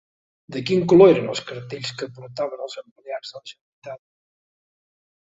De quin color eren els cartells que portaven els empleats de la Generalitat?